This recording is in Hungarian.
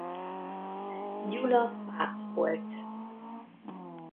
Gyula pápa volt.